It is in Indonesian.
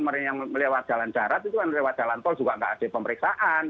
mereka yang lewat jalan darat itu kan lewat jalan tol juga nggak ada pemeriksaan